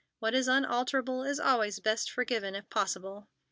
What is unalterable is always best forgiven, if possible.